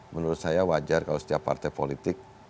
menurut saya wajar kalau setiap partai politik